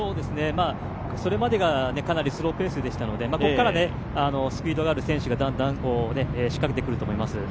それまでがかなりスローペースでしたので、ここからはスピードがある選手がだんだん仕掛けてくると思います。